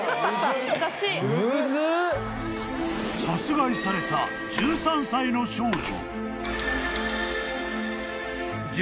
［殺害された１３歳の少女］